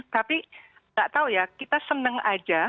tapi nggak tahu ya kita senang aja